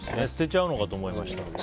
捨てちゃうのかと思いました。